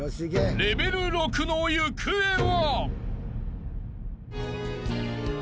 レベル６の行方は！？］